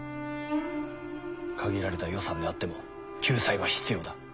限られた予算であっても救済は必要だ。